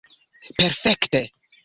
Perfekte.